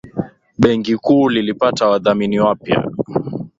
Bengi kuu lilipata wadhamini wapya.